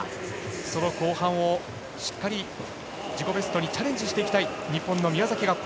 その後半をしっかり自己ベストにチャレンジしていきたい日本の宮崎。